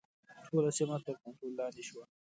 ټوله سیمه تر کنټرول لاندې شوه.